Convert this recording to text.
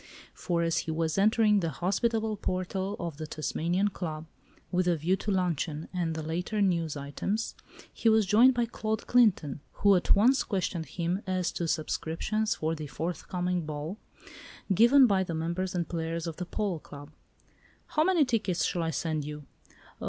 For, as he was entering the hospitable portal of the Tasmanian Club, with a view to luncheon and the later news items, he was joined by Claude Clinton, who at once questioned him as to subscriptions for the forthcoming ball, given by the members and players of the polo club. "How many tickets shall I send you?